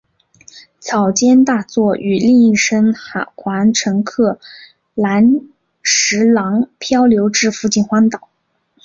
草间大作与另一生还乘客岚十郎漂流至附近荒岛。